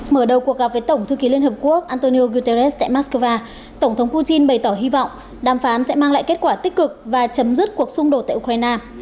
mở đầu cuộc gặp với tổng thư ký liên hợp quốc antonio guterres tại moscow tổng thống putin bày tỏ hy vọng đàm phán sẽ mang lại kết quả tích cực và chấm dứt cuộc xung đột tại ukraine